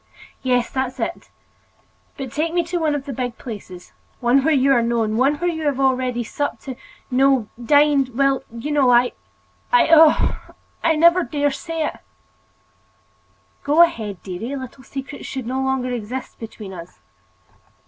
"Yes, that's it. But take me to one of the big places, one where you are known, one where you have already supped—no—dined—well, you know—I—I—oh! I will never dare say it!" "Go ahead, dearie. Little secrets should no longer exist between us."